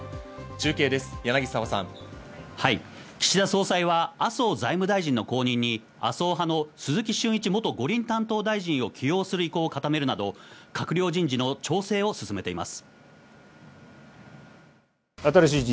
岸田総裁は麻生財務大臣の後任に麻生派の鈴木俊一元五輪担当大臣を起用する意向を固めるなど、閣僚人事の調整を進めています。